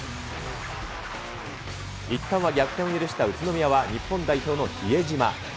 いったんは逆転を許した宇都宮は、日本代表の比江島。